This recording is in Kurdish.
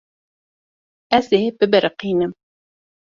Ez ê bibiriqînim.